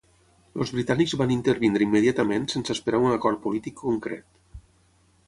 Els britànics van intervenir immediatament sense esperar un acord polític concret.